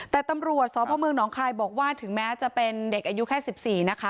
แต่ตำรวจสพเมืองหนองคายบอกว่าถึงแม้จะเป็นเด็กอายุแค่๑๔นะคะ